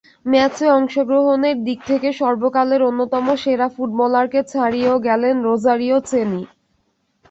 ম্যাচে অংশগ্রহণের দিক থেকে সর্বকালের অন্যতম সেরা ফুটবলারকে ছাড়িয়েও গেলেন রোজারিও চেনি।